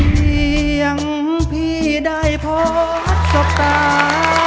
พี่ยังพี่ได้พบสัตว์ตา